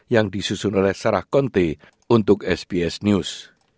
yang disusun oleh sarah konte untuk sbs news